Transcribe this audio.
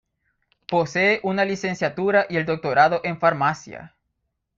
Posee una licenciatura y el doctorado en Farmacia.